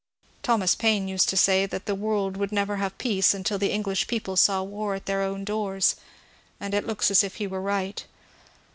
Thomas Paine used to say that the world would never have peace until the English people saw war at their own doors, and it looks as if he were right.